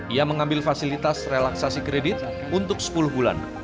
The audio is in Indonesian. ia mengambil fasilitas relaksasi kredit untuk sepuluh bulan